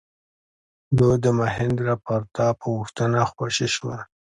دوی د مهیندرا پراتاپ په غوښتنه خوشي شول.